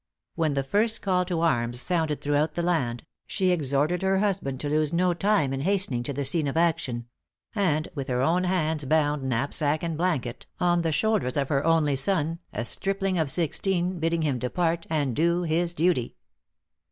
When the first call to arms sounded throughout the land, she exhorted her husband to lose no time in hastening to the scene of action; and with her own hands bound knapsack and blanket on the shoulders of her only son, a stripling of sixteen, bidding him depart and do his duty.